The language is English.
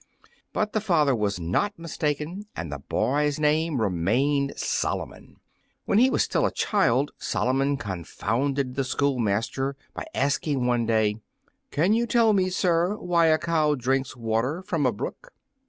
But the father was not mistaken, and the boy's name remained Solomon. When he was still a child Solomon confounded the schoolmaster by asking, one day, "Can you tell me, sir, why a cow drinks water from a brook?"